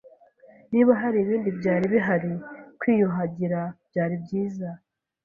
Niba hari ibindi byari bihari kwiyuhagira byari byiza